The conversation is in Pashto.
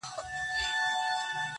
د دانو په اړولو کي سو ستړی.!